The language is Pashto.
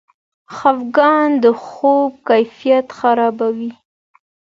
خفګان د خوب کیفیت خرابوي.